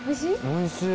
おいしい。